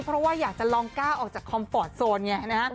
เพราะว่าอยากจะลองก้าวออกจากคอมฟอร์ตโซนไงนะฮะ